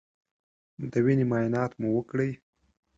د وینې معاینات مو وکړی